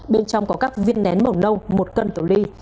bên trong có các viên nén màu nâu một cân tổ ly